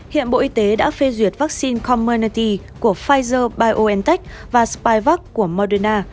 hiện bộ y tế đã phê duyệt vaccine commernalty của pfizer biontech và spivac của moderna